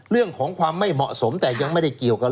เรื่องของความไม่เหมาะสมแต่ยังไม่ได้เกี่ยวกับ